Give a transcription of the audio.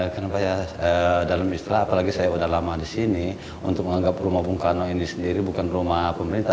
kenapa ya dalam istilah apalagi saya sudah lama di sini untuk menganggap rumah bung karno ini sendiri bukan rumah pemerintah